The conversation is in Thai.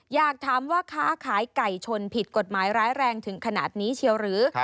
อยากถามว่าค้าขายไก่ชนผิดกฎหมายร้ายแรงถึงขนาดนี้เชียวหรือ